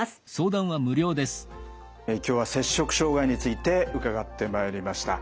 今日は摂食障害について伺ってまいりました。